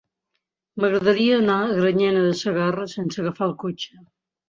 M'agradaria anar a Granyena de Segarra sense agafar el cotxe.